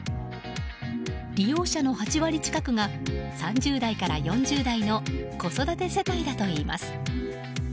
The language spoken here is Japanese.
利用者の８割近くが３０代から４０代の子育て世帯だといいます。